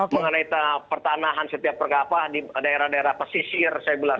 mengenai pertanahan setiap perkara di daerah daerah pesisir saya bilang